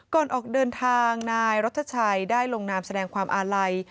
ก่อนออกเดินทางนายรัฐชัยได้ลงนามแสดงความอาลัย